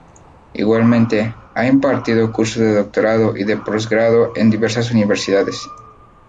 Igualmente, ha impartido cursos de doctorado y de postgrado en diversas universidades.